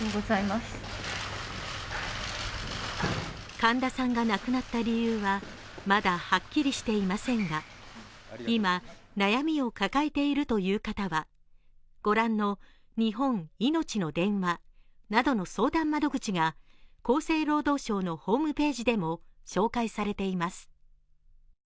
神田さんが亡くなった理由はまだはっきりしていませんが今、悩みを抱えているという方は御覧の日本いのちの電話などの相談窓口が厚生労働省のホームページでも紹介されています。